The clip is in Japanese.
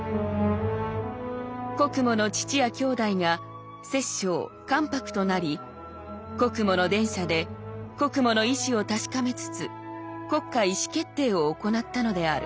「国母の父や兄弟が摂政・関白となり国母の殿舎で国母の意思を確かめつつ国家意思決定を行ったのである。